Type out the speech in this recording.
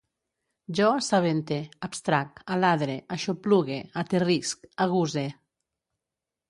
Jo assabente, abstrac, aladre, aixoplugue, aterrisc, aguse